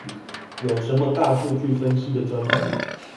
有什麼大數據分析的專案？